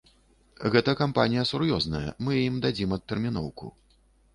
Гэта кампанія сур'ёзная, мы ім дадзім адтэрміноўку.